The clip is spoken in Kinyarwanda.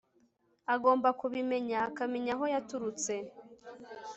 agomba kubimenya, akamenya aho yaturutse